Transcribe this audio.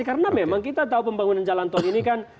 karena memang kita tahu pembangunan jalan tol ini kan